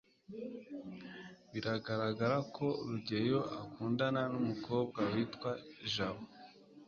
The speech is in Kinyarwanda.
biragaragara ko rugeyo akundana n'umukobwa witwa jabo